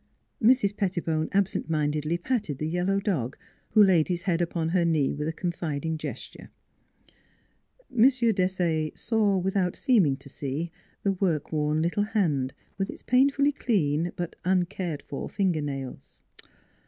" Mrs. Pettibone absent mindedly patted the yellow dog, who laid his head upon her knee with a confiding gesture. M. Desaye saw without seeming to see the work worn little hand with its painfully clean but uncared for finger nails.